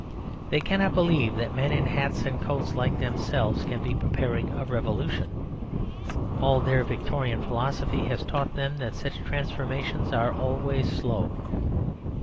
They cannot believe that men in hats and coats like themselves can be preparing a revolution; all their Victorian philosophy has taught them that such transformations are always slow.